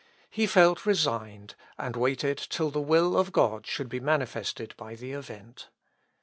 He felt resigned, and waited till the will of God should be manifested by the event.